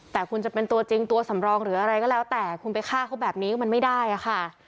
แต่คุณจะเป็นตัวจริงตัวสำรองหรืออะไรก็แล้วแต่คุณไปฆ่าเขาแบบนี้มันไม่ได้อะค่ะ